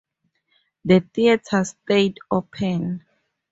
The theatres stayed open.